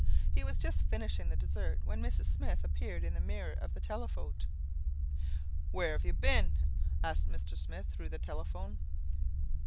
He was just finishing the dessert when Mrs. Smith appeared in the mirror of the telephote. "Why, where have you been?" asked Mr. Smith through the telephone.